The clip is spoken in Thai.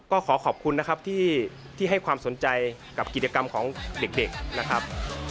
ก็ขอขอบคุณนะครับที่ให้ความสนใจกับกิจกรรมของเด็กนะครับ